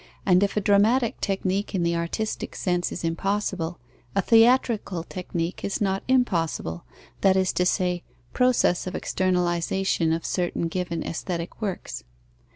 And if a dramatic technique in the artistic sense be impossible, a theatrical technique is not impossible, that is to say, processes of externalization of certain given aesthetic works.